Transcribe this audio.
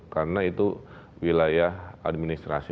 karena itu wilayah administrasi